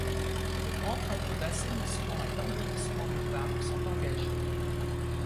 De grands travaux d’assainissement et d’embellissement du parc sont engagés.